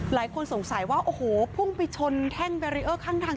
หลายคนสงสัยว่าโอ้โหพุ่งไปชนแท่งแบรีเออร์ข้างทาง